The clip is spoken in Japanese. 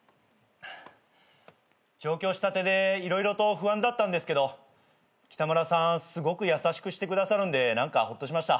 上京したてで色々と不安だったんですけどキタムラさんすごく優しくしてくださるんで何かほっとしました。